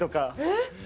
えっ！